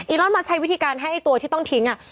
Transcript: ลอนมาใช้วิธีการให้ตัวที่ต้องทิ้ง